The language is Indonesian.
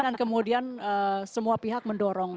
dan kemudian semua pihak mendorong